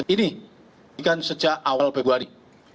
ini kan sejak awal februari